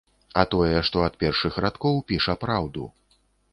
А тое, што ад першых радкоў піша праўду.